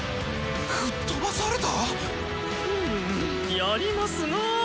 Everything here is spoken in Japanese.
吹っ飛ばされた⁉ムゥやりますな。